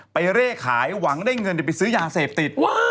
เร่ขายหวังได้เงินไปซื้อยาเสพติด